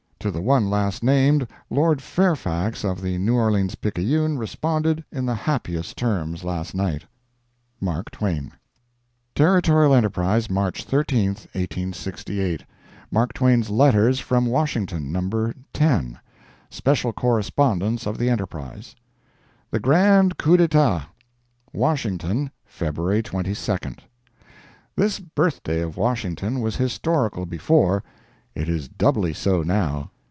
To the one last named Lord Fairfax of the New Orleans Picayune responded in the happiest terms last night. MARK TWAIN. Territorial Enterprise, March 13, 1868 MARK TWAIN'S LETTERS FROM WASHINGTON. NUMBER X. [SPECIAL CORRESPONDENCE OF THE ENTERPRISE.] THE GRAND COUP D'ETAT WASHINGTON, February 22. This birthday of Washington was historical before; it is doubly so now.